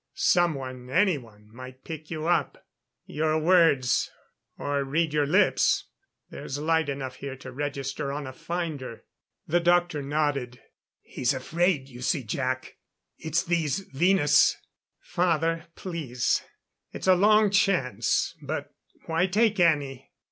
Someone anyone might pick you up. Your words or read your lips there's light enough here to register on a finder." The doctor nodded. "He's afraid you see, Jac, it's these Venus " "Father please. It's a long chance but why take any?